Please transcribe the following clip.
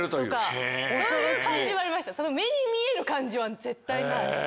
その目に見える感じは絶対ない。